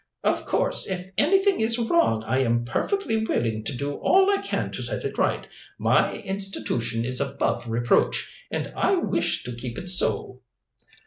"Of course if anything is wrong I am perfectly willing to do all I can to set it right. My institution is above reproach, and I wish to keep it so."